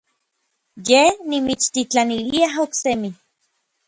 Yej nimitstitlanilia oksemi.